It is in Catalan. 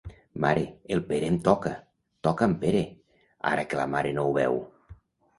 Mare, el Pere em toca! Toca'm, Pere, ara que la mare no ho veu.